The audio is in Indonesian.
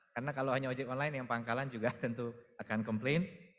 karena kalau hanya ojk online yang pangkalan juga tentu akan komplain